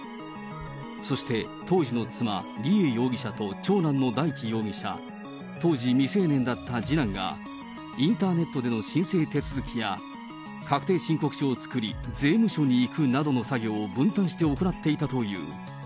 そして当時の妻、梨恵容疑者と長男の大祈容疑者、当時未成年だった次男がインターネットでの申請手続きや確定申告書を作り、税務署に行くなどの作業を分担して行っていたという。